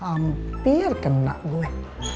hampir kena gue